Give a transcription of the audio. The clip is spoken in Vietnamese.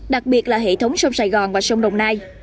đặc biệt là hệ thống sông sài gòn và sông đồng nai